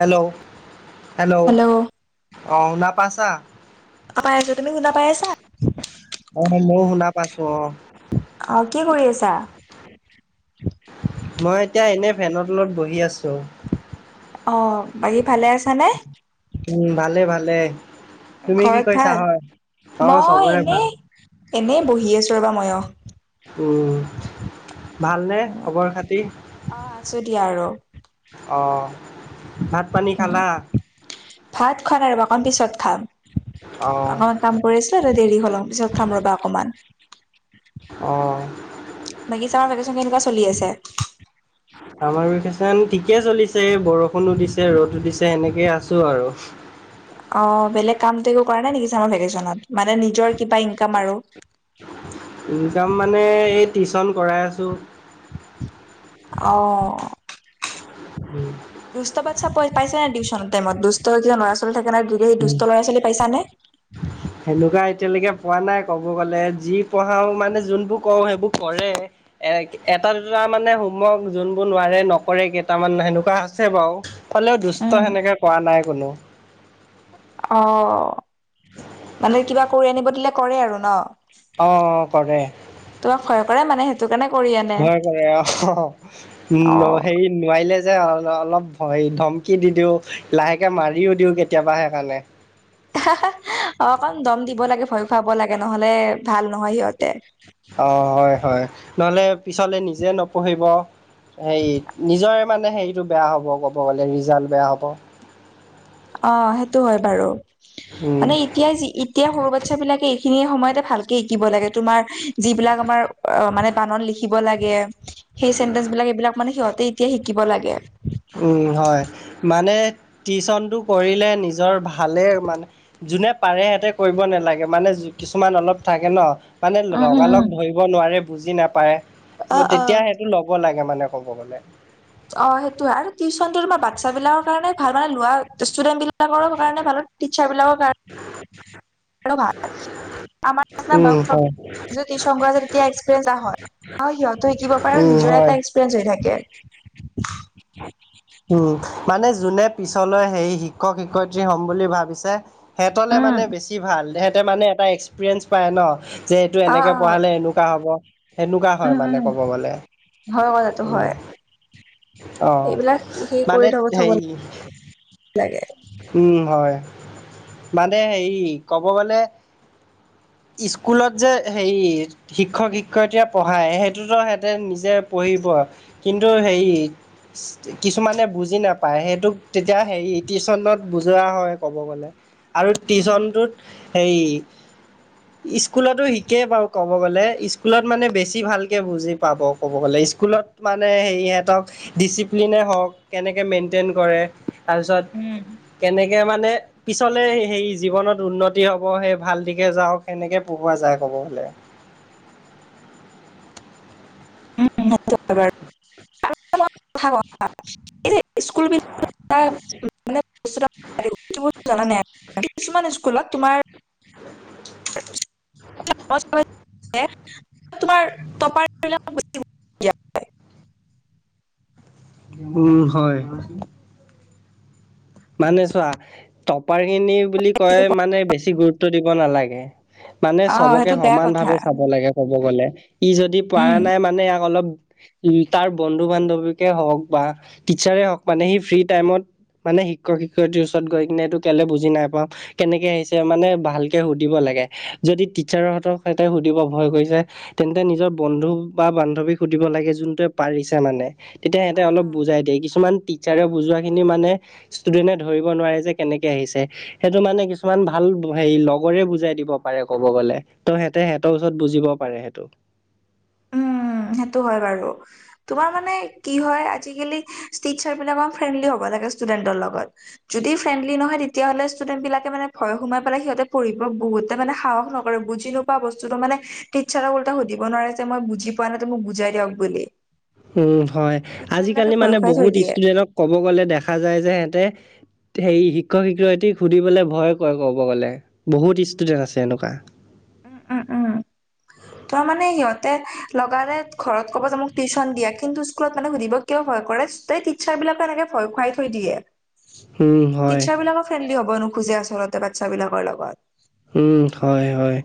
Hello hello hello অঁ শুনা পাছা? পাই আছো, তুমি শুনা পাই আছা? অ মইও শুনা পাইছো অ। অ কি কৰি আছা? মই এতিয়া এনেই ফেনৰ লগত বহি আছোঁ। অ বাকী ভালে আছা নে? উম ভালে ভালে, তুমি কি ঘৰত কৰিছা ভাল হয়? অ মই চবৰে ভাল। এনেই এনেই বহি আছোঁ ৰ'বা মইও। উম, ভালনে খবৰ খাতি? অ আছো দিয়া আৰু। অ ভাত পানী উম খালা? ভাত খোৱা নাই ৰবা অকন পিছত খাম। অ অকন - কাম কৰি আছিলো এ দেৰি হ'লেও, পিছত খাম ৰ'বা অকমান। অ। বাকী চামাৰ ভেকেশ্যন কেনেকুৱা চলি আছে? ছামাৰ ভেকেশ্যন ঠিকে চলিছে বৰষুণো দিছে ৰ'দো দিছে সেনেকেই আছো আৰু। অ বেলেগ কামটো একো কৰা নাই নেকি ছামাৰ ভেকেশ্যনত, মানে নিজৰ কিবা ইনকাম আৰু? ইনকাম মানে এই টিউচন কৰাই আছো। অ। [unintelligible] দুষ্ট বাচ্ছা প পাইছানে টিউচন টাইমত দুষ্ট যে ল'ৰা ছোৱালী থাকে নহয় সেই উম দুষ্ট ল'ৰা ছোৱালী পাইছানে? [inaudible] সেনেকুৱা এতিয়ালৈকে পোৱা নাই ক'ব গ'লে যি পঢ়াও মানে যোনবোৰ কওঁ সেইবোৰ কৰে। এ এটা দুটা মানে হোমৱৰ্ক যোনবোৰ নোৱাৰে নকৰে কেইটামান সেনেকুৱা আছে বাও। হ'লেও দুষ্ট উম, সেনেকে কৰা নাই কোনো। অ মানে কিবা কৰি আনিব দিলে কৰে আৰু ন অ অ কৰে তোমাক ভয় কৰে মানে সেইটো কাৰণে কৰি আনে ভয় কৰে অ অ উ হেৰি নোৱাৰিলে যে অলপ ভয় ধমকি দি দিও লাহেকে মাৰিও দিও কেতিয়াবা সেইকাৰণে হা হা অ অকণ দম দিব লাগে ভয় খুৱাব লাগে নহলে ভাল নহয় সিহঁতে অ হয় হয় নহলে পিছলে নিজে নপঢ়িব হেৰি নিজৰে মানে হেৰিটো বেয়া হ'ব ক'ব গলে ৰিজাল্ট বেয়া হ'ব অ সেইটো হয় বাৰু উম। মানে এতিয়াই এতিয়া সৰু বাচ্ছ বিলাকে এইখিনি সময়তে ভালকে শিকিব লাগে তোমাৰ যিবিলাক আমাৰ অ মানে বানান লিখিব লাগে সেই চেন্টেঞ্চ বিলাক এইবিলাক মানে সিহঁতে এতিয়া শিকিব লাগে উম হয় মানে টিউচনটো কৰিলে নিজৰ ভালেই মানে যোনে পাৰে সিহঁতে কৰিব নালাগে মানে কিছুমান অলপ থাকে ন মানে উম উম লগালগ উম ধৰিব নোৱাৰে বুজি নাপায় অ অ তেতিয়া সেইটো ল'ব লাগে মানে ক'ব গ'লে অ সেইটো হয় আৰু টিউচনটো তোমাৰ বাচ্ছা বিলাকৰ কাৰণে ভাল মানে লোৱাৰ ষ্টুডেন্ট বিলাক অ সেইকাৰণে ভালো টিচাৰ বিলাকৰ কাৰণে [unintelligible] কেনকা আমাৰ নিচিনা উম, ডক্তৰবোৰ হয়। যিটো টিছপগৰাকী তেতিয়া এক্সপিৰিয়েঞ্চ এটা হয় সিহঁতো শিকিব পাৰে আৰু উম, নিজৰ হয়। এটা এক্সপিৰিয়েঞ্চ হৈ থাকে [unintelligible] উম মানে যোনে পিছলৈ হেই শিক্ষক শিক্ষয়িত্ৰী হ'ম বুলি ভাবিছে সিহঁতলে উম, মানে বেছি ভাল সিহঁতে মানে এটা এক্সপিৰিয়েঞ্চ পায় ন যে এইটো অ', এনেকে অ', পঢ়ালে এনো কা হ'ব সেনেকোৱা হয় উম, মানে উম, ক'ব গ'লে হয় কথাটো হয়, অহ এইবিলাক সেই কৰি মানে থব থব হেৰি লাগে। উম হয় মানে হেৰি ক'ব গ'লে স্কুলত যে হেৰি শিক্ষক শিক্ষয়িত্ৰীয়ে পঢ়ায় সেইটোতো সিহঁতে নিজে পঢ়িব কিন্তু সেই কিছুমানে বুজি নাপায় সেইটোক তেতিয়া হেৰি টিউচনত বুজোৱা হয় ক'ব গ'লে আৰু উম। টিউচনটোত সেই [inaudible] স্কুলতো শিকে বাৰু ক'ব গ'লে স্কুলত মানে বেছি ভালকে বুজি পাব ক'ব গ'লে স্কুলত মানে হেৰি ইহঁতক ডিচিপ্লিনেই হওক কেনেকে মেইনটেন কৰে তাৰপিছত উম কেনেকে মানে তলে সেই জীৱনত উন্নতি হ'ব সেই ভাল দিশে যাওক সেনেকে পঢ়োৱা যায় ক'ব গলে [unintelligible] এনে স্কুলবিলাক তাৰ মানে বস্তু এটা বহুত জানানে কিছুমান স্কুলত তোমাৰ [unintelligible] তোমাৰ টপাৰবিলাক বেছি উম হয় হয় মানে চোৱা টপাৰ খিনি বুলি কয় মানে বেছি গুৰুত্ব দিব নালাগে মানে অ', চবকে সেইটো বেয়া সমান কথা, ভাৱে চাব লাগে। ক'ব গ'লে ই যদি উম। পাৰা নাই মানে ইয়াক অলপ তাৰ বন্ধু বান্ধৱীকে হওক বা টিচাৰে হওক মানে সি ফ্ৰী টাইমত মানে শিক্ষক শিক্ষয়িত্ৰীৰ ওচৰত গৈ কিনে এইটো কেলে বুজি নাই পোৱা কেনেকে আহিছে মানে ভালকে সুধিব লাগে যদি টিচাৰহঁতক সেতে সুধিব ভয় কৰিছে তেন্তে নিজৰ বন্ধু বা বান্ধৱীক সুধিব লাগে যোনটোৱে পাৰিছে মানে তেতিয়া সিহঁতে অ', অলপ অ'। বুজাই দিয়ে কিছুমান টিচাৰে বুজোৱা খিনি মানে ষ্টুডেণ্ট ধৰিব নোৱাৰে যে কেনেকে আহিছে। সেইটো মানে কিছুমান ভাল হেৰি লগৰে বুজাই দিব পাৰে ক'ব গ'লে ত সিহঁতে সিহঁতৰ ওচৰত বুজিব পাৰে সেইটো। উম, সেইটো হয় বাৰু। তোমাৰ মানে কি হয় আজিকালি টিচাৰ বিলাকো ফ্ৰেণ্ডলি হ'ব লাগে ষ্টুডেন্টৰ লগত। যদি ফ্ৰেনডলি নহয় তেতিয়াহ'লে ষ্টুডেণ্ট বিলাকে মানে ভয় সোমাই পেলাই সিহঁতে পঢ়িব বহুতে মানে সাহস নকৰে বুজি নোপোৱা বস্তুটো মানে টিছাৰক ওলোটাই সুধিব নোৱাৰে মই বুজি পোৱা নাই মোক বুজাই দিয়ক বুলি। উম হয়, টিচাৰ বিলাকে আজিকালি ভয় মানে খুৱাই থৈ বহুত দিয়ে। ষ্টুডেন্টক ক'ব গ'লে দেখা যায় যে সিহঁতে হেৰি শিক্ষক শিক্ষয়িত্ৰীক সুধিবলৈ ভয় কয় ক'ব গ'লে বহুত ষ্টুডেণ্ট আছে এনেকুৱা। উম, উম, উম। ত মানে সিহঁতে লগালে ঘৰত ক'ব যে মোক টিউচন দিয়া কিন্তু স্কুলত মানে সুধিব কিয় ভয় কৰে টিচাৰ বিলাকে এনেকে ভয় খুৱাই থৈ দিয়ে। উম হয় টিচাৰ বিলাকক ফ্ৰেণ্ডলি হ'ব নোখোজে আচলতে বাচ্ছ বিলাকৰ লগত। উম, হয়, হয়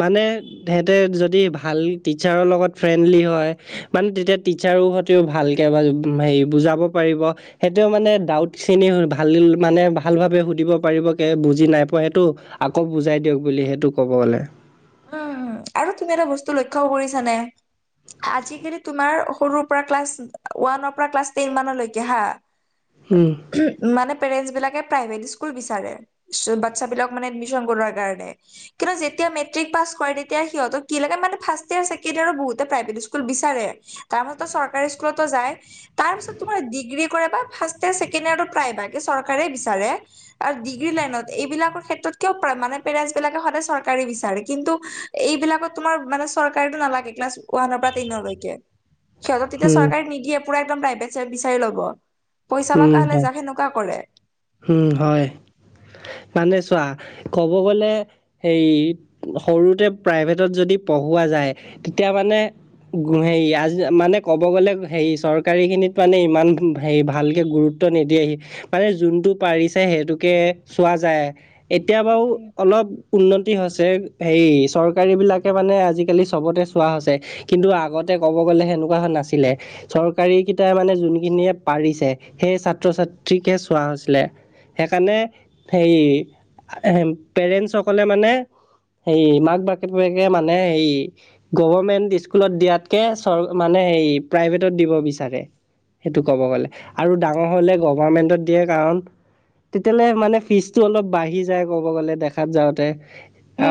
মানে সিহঁতে যদি ভাল টিচাৰৰ লগত ফ্ৰেণ্ডলি হয় মানে তেতিয়া টিচাৰো সতেও ভালকৈ বা হেৰি বুজাব পাৰিব। সেইটোও মানে ডাউট খিনি ভাল মানে ভাল ভাবে সুধিব পাৰিব কে বুজি নাই পোৱা সেইটো আকৌ বুজাই দিয়ক বুলি সেইটো ক'ব গ'লে। উম, আৰু কিবা এটা বস্তু লক্ষ্য কৰিছানে। আজিকালি তোমাৰ সৰুৰ পৰা ক্লাছ ওৱানৰ পৰা ক্লাছ টেন মানলৈকে হা উম, মানে পেৰেণ্টছবিলাকে প্ৰাইভেট স্কুল বিচাৰে। বাচ্ছা বিলাক মানে এডমিচন কৰোৱাৰ কাৰণে কিন্তু যেতিয়া মেট্ৰিক পাছ কৰে তেতিয়া সিহঁত কি লাগে মানে ফাষ্ট ইয়ৰ ছেকেণ্ড ইয়ৰৰ বহুতে প্ৰাইভেট স্কুল বিচাৰে তাৰ মাজতো চৰকাৰী স্কুলতো যায়। তাৰপিছত তোমাৰ ডিগ্ৰী কৰা বা ফাষ্ট ইয়াৰ ছেকেণ্ড ইয়াৰ প্ৰায়ভাগে চৰকাৰে বিচাৰে আৰু ডিগ্ৰী লাইনত এইবিলাকৰ ক্ষেত্ৰত কিয় প মানে পেৰেণ্টছ বিলাকে সদায় চৰকাৰে বিচাৰে। কিন্তু এইবিলাকত তোমাৰ মানে চৰকাৰীতো নালাগে ক্লাছ ওৱানৰ পৰা টেনৰলৈকে সিহঁতৰ তেতিয়া উম, চৰকাৰে নিদিয়ে পুৰা একদম প্ৰাইভেট বিচাৰি ল'ব। পইচা উম, লগা হ'লে হয়। যাক সেনেকুৱা কৰে উম হয় মানে চোৱা ক'ব গ'লে। সেই সৰুতে প্ৰাইভেটত যদি পঢ়োৱা যায় তেতিয়া মানে হেৰি আজি মানে ক'ব গ'লে হেৰি চৰকাৰীখিনিত মানে ইমান হে ভালকৈ গুৰুত্ব নিদিয়েহি মানে যোনটো পাৰিছে সেইটোকে চোৱা যায়। এতিয়া বাৰু অলপ উন্নতি হৈছে হে চৰকাৰী বিলাকে মানে আজিকালি চবতে চোৱা হৈছে কিন্তু আগতে ক'ব গ'লে সেনেকুৱা হোৱা নাছিলে। চৰকাৰী কেইটাই মানে যোনখিনিয়ে পাৰিছে সেই ছাত্ৰ ছাত্ৰীকহে চোৱা হৈছে। সেইকাৰণে সেই পেৰেণ্টছসকলে মানে হেৰি মাক বাপকে মানে হেৰি গভমেণ্ট স্কুলত দিয়াতকে চৰ মানে হেৰি প্ৰাইভেটত দিব বিচাৰে সেইটো ক'ব গ'লে আৰু ডাঙৰ হ'লে গভমেণ্টত দিয়ে কাৰণ তেতিয়ালে মানে ফিজটো অলপ বাঢ়ি যায় ক'ব গ'লে দেখাত যাওঁতে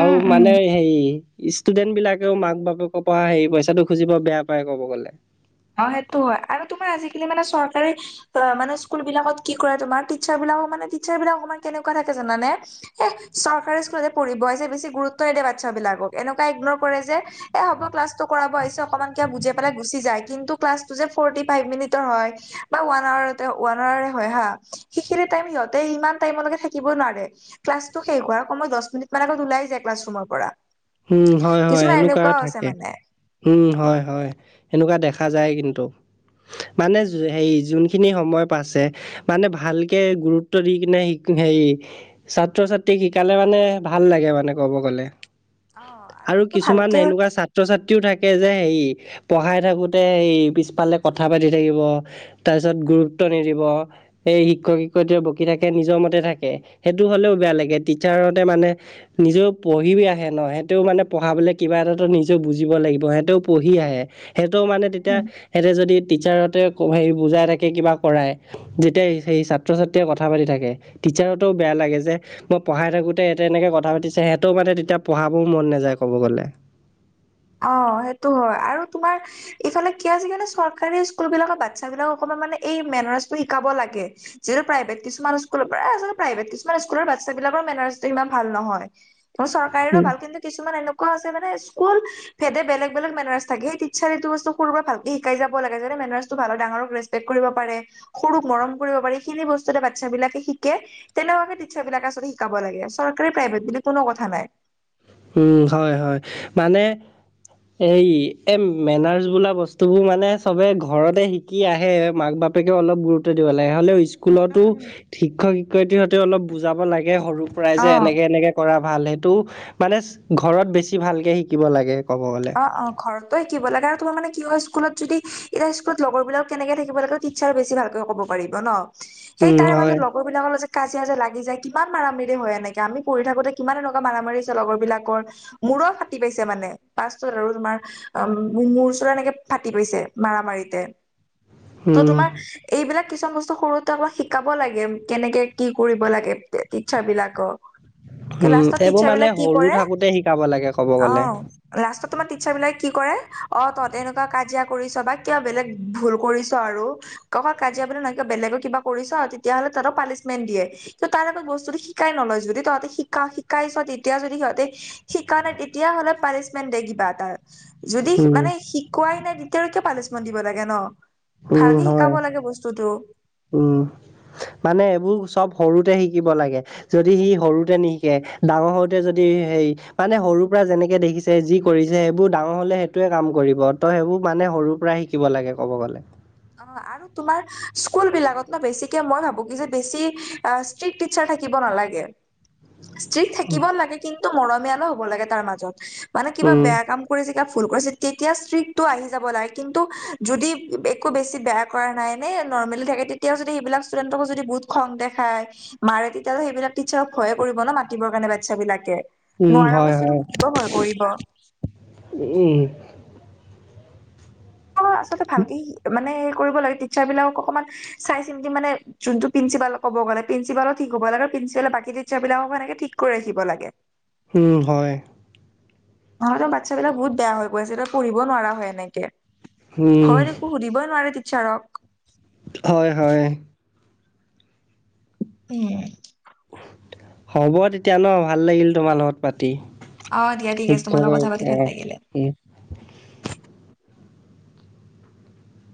আৰু উম মানে হেৰি ষ্টুডেণ্ট বিলাকেও মাক বাপেকৰ পৰা হেৰি পইচাটো খুজিব বেয়া পায় ক'ব গ'লে অ সেইটো হয় আৰু তোমাৰ আজিকালি মানে চৰকাৰে অ মানে স্কুল বিলাকত কি কৰে তোমাৰ টিচাৰ বিলাকো মানে টিচাৰ বিলাক অকমান কেনেকুৱা থাকে জানা নে এ চৰকাৰী স্কুলতে পঢ়িব আহিছে বেছি গুৰুত্ব নিদিয়ে বাচ্ছা বিলাকক এনেকুৱা ইগনৰ কৰে যে এ হ'ব ক্লাছটো কৰাব আহিছে অকনমান কিবা বুজাই পেলাই গুচি যায় কিন্তু ক্লাছ যে ফৰ্টি ফাইভ মিনিটৰ হয় বা ওৱান আৰ ওৱান আৱাৰে হয় হা সেইখিনি টাইম সিহঁতে ইমান টাইমলৈকে থাকিব নোৱাৰে ক্লাছটো শেষ হোৱা দহ মিনিট মান আগত ওলাই যায় ক্লাছৰুমৰ পৰা উম হয় হয় কিছুমান এনেকুৱা এনেকুৱাও আছে থাকে মানে উম হয় হয় সেনেকুৱা দেখা যায় কিন্তু মানে হেৰি যোনখিনি সময় পাইছে মানে ভালকে গুৰুত্ব দি কিনে হেৰি ছাত্ৰ ছাত্ৰীক শিকালে মানে ভাল লাগে মানে ক'ব গ'লে অ আৰু এইটো কিছুমান ভালকে এনেকুৱা ছা ছাত্ৰ ছাত্ৰীও থাকে যে হেৰি পঢ়াই থাকোঁতে সেই পিছফালে কথা পাতি থাকিব তাৰপিছত গুৰুত্ব নিদিব এই শিক্ষক শিক্ষয়িত্ৰী বকি থাকে নিজৰ মতে থাকে সেইটো হলেও বেয়া লাগে টিছাৰতে মানে নিজেও পঢ়িবি আহে ন সিহঁতেও মানে পঢ়ালে কিবা এটাটো নিজেও বুজিব লাগিব সিহঁতেও পঢ়ি আহে সেহটোও মানে তেতিয়া সিহঁতে যদি টিচাৰহতে হেৰি বুজাই থাকে কিবা কৰায় যেতিয়া সেই ছাত্ৰ ছাত্ৰীয়ে কথা পাতি থাকে টিচাৰহতও বেয়া লাগে যে মই পঢ়াই থাকোতে সেতে এনেকে কথা পাতিছে সিহঁতেও মানে তেতিয়া পঢ়াবও মন নাযায় ক'ব গ'লে অ সেইটো হয় আৰু তোমাৰ ইফালে কি আছে কি মানে চৰকাৰী স্কুল বিলাকৰ বাচ্ছা বিলাকক অকমান মানে এই মেনাৰছটো শিকাব লাগে যিহেতু প্ৰাইভেট কিছুমান স্কুলৰ পৰা এই আচলতে প্ৰাইভেট কিছুমান স্কুলৰ বাচ্ছাবিলাকৰ মেনাৰ্ছটো ইমান ভাল নহয় চৰকাৰিৰো উম ভাল কিন্তু কিছুমান এনেকুৱাও আছে মানে স্কুল বেলেগ বেলেগ মেনাৰ্ছ থাকে সেই টিছাৰ এইটো বস্তু সৰুৰ পৰা ভালকে শিকাই যাব লাগে যাতে মেনাৰ্ছটো ভাল হয় ডাঙৰক ৰেচ কৰিব পাৰে সৰুক মৰম কৰিব পাৰে সেখিনি বস্তুয়ে বাচ্ছাবিলাকে শিকে তেনেকুৱাকে টিছাৰ বিলাকে আচলতে শিকাব লাগে চৰকাৰী প্ৰাইভেট বুলি কোনো কথা নাই উম হয় হয় মানে এই এ মেনাৰছ বোলা বস্তুবোৰ মানে চবে ঘৰতে শিক শিকি আহে মাক বাপেকে অলপ গুৰু দিব লাগে হ'লেও উম স্কুলতো উম উম শিক্ষক শিক্ষয়িত্ৰী হঁতেও অলপ বুজাব লাগে সৰু প্ৰায় উম যে অ এনেকে এনেকে কৰা ভাল সেইটো মানে ঘৰত বেছি ভালকে শিকিব লাগে ক'ব গ'লে অ ঘৰতো শিকিব লাগে তোমাৰ মানে কি হয় স্কুলত যদি এতিয়া স্কুলত লগৰ বিলাকত কেনেকে থাকিব লাগে টিছাৰ বেছি ভালকৈ কব পাৰিব ন সেই উম তাৰে মাজত হয় ল লগৰবিলাকৰ লগত কাজিয়াজে লাগি যায় কিমান মাৰা মাৰি হয় এনেকে আমি পঢ়ি থাকোতে কিমান এনেকুৱা মাৰা মাৰি হৈছে লগৰ বিলাকৰ মূৰও ফাটি পাইছে মানে পাছতু তোমাৰ উম মুৰ চুৰ এনেকে ফাটি পাইছে মাৰা মাৰিতে ত' উম তোমাৰ এইবিলাক কিছুমান বস্তু সৰুতে থাকোতে শিকাব লাগে কেনেকে কি কৰিব লাগে টিচাৰ বিলাকক কি উম। লাষ্টত এইবোৰ টিচাৰ মানে বিলাক কি সৰু কৰে থাকোতে শিকাব লাগে ক'ব গ'লে। অহ লাষ্টত তোমাৰ টিচাৰ বিলাক কি কৰে অ তহতে এনেকুৱা কাজিয়া কৰিছ বা কিয় বেলেগ ভুল কৰিছ আৰু কব কাজিয়া বুলি নাই কি বেলেগো কিবা কৰিছ তেতিয়া হ'লে তাতো পানিচমেন্ট দিয়ে কি তাৰ লগত বস্তুটো শিকাই নলয় যদি তহঁতে শিকা শিকাই চ তেতিয়া যদি সিহঁতে শিকা নাই তেতিয়া হ'লে পানিচ মেণ্ট দে কিবা এটা। যদি উম, মানে শিকোৱাই নাই তেতিয়া আৰু কিয় পানিছমেণ্ট দিব লাগে ন উম, ভালকে হয়। শিকাব লাগে বস্তুটো উম মানে এইবোৰ চব সৰুতে শিকিব লাগে যদি সি সৰুতে নিশিকে ডাঙৰ হওঁতে যদি সেই মানে সৰুৰ পৰা যেনেকে দেখিছে যি কৰিছে সেইবোৰ ডাঙৰ হলে সেইটোৱে কাম কৰিব ত' সেইবোৰ মানে সৰুৰ পৰা শিকিব লাগে ক'ব গ'লে অ আৰু তোমাৰ স্কুল বিলাকত ন বেছিকে মই ভাবো কি যে বেছি ষ্ট্ৰিক টিচাৰ থাকিব নালাগে ষ্ট্ৰিক থাকিব লাগে কিন্তু মৰমিয়ালো হ'ব লাগে তাৰ মাজত মানে কিবা উম, বেয়া কাম কৰি যদি ভুল কৰিছে তেতিয়া ষ্ট্ৰিকটো আহি যাব লাগে কিন্তু যদি একো বেছি বেয়া কৰা নাই নে নৰ্মেলি থাকে তেতিয়াও যদি সেইবিলাক ষ্টুডেন্টকো যদি বহুত খং দেখায় মাৰে পিটে তেতিয়াহলে সেইবিলাক টিচাৰক ভয়ে কৰিব ন মাতিবৰ কাৰণে বাচ্ছা বিলাকে উম, নোৱাৰা হয়, বস্তুটো হয়, সুধিব ভয় কৰিব উম তে ভালকে শি মানে হে কৰিব লাগে টিচাৰ বিলাকক অকমান চাই চিন্তি মানে যোনটো পিন্ঞ্চিপাল ক'ব গলে প্ৰিঞ্চিপালো ঠিক হব লাগে প্ৰিঞ্চিপালে বাকী টিচাৰ বিলাককো সেনেকে ঠিক কৰি ৰাখিব লাগে উম হয় ভয়তে বাচ্ছা বিলাক বহুত বেয়া হৈ গৈ আছে এতিয়া পঢ়িব নোৱাৰা হয় এনেকে উম, ভয় দে একো সুধিবই নোৱাৰে টিচাৰক হয় হয় উম হ'ব তেতিয়া ন ভাল লাগিল তোমাৰ লগত পাতি অ' দিয়া ঠিক আছে একো তোমাৰ লগত কথা পাতি অ ভাল লাগিলে। উম